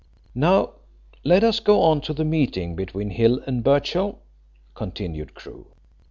"Now, let us go on to the meeting between Hill and Birchill," continued Crewe.